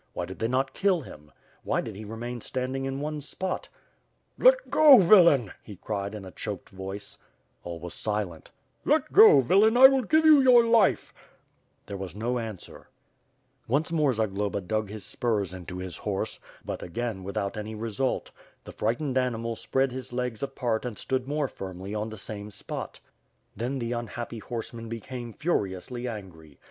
Why did they not kill him? Why did he remain standing in one spot? *Tjet go, villain," he cried in a choked voice. WITH FIRE A2JD SWORD. 389 All was silent. "Let go villain, I will give you your life/' There was no answer. Once more Zagloba dug his spurs into his horse, but again without any result. The frightened animal spread his legs apart and stood more firmly on the same spot. Then the unhappy horseman become furiously angry.